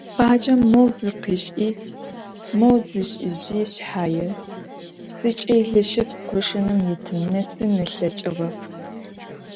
Баджэм моу зыкъишӀи, моу зишӀыжьи шъхьае, зыкӀи лыщыпс къошыным итым нэсын ылъэкӀыгъэп.